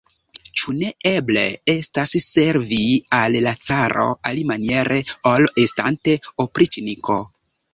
Ĉu ne eble estas servi al la caro alimaniere, ol estante opriĉniko?